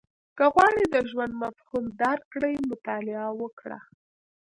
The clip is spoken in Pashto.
• که غواړې د ژوند مفهوم درک کړې، مطالعه وکړه.